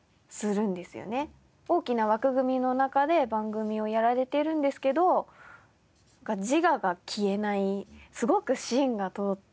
大きな枠組みの中で番組をやられているんですけど「自我が消えない」「すごく芯が通っている」